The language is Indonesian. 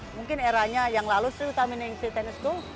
mungkin eranya yang lalu sri utamining sih tennis school